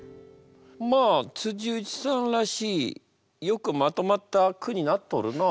まあ内さんらしいよくまとまった句になっとるなあ。